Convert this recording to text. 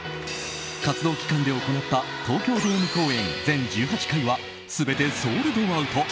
活動期間で行った東京ドーム公演全１８回は全てソルドアウト。